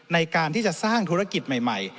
ในการที่จะสร้างธุรกิจใหม่